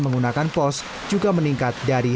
menggunakan pos juga meningkat dari